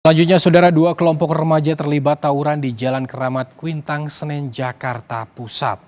selanjutnya dua kelompok remaja terlibat tauran di jalan keramat kuitang seneng jakarta pusat